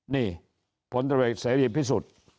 นี่ฝศพิสุทธิ์